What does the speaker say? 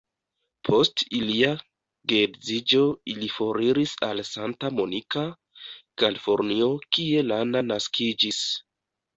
Post ilia geedziĝo ili foriris al Santa Monica, Kalifornio kie Lana naskiĝis.